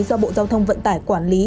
do bộ giao thông vận tải quản lý